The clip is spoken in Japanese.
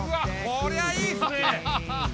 こりゃいいですね！